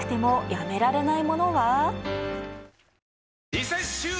リセッシュー！